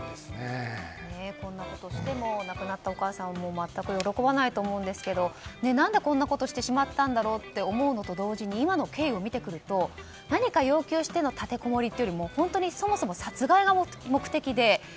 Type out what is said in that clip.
こんなことをしても亡くなったお母さんも全く喜ばないと思うんですけど何でこんなことをしてしまったと思うのと同時に今の経緯を見てくると何か要求しての立てこもりというよりもそもそも殺害が目的で。